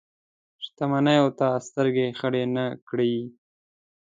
شتمنیو ته سترګې خړې نه کړي.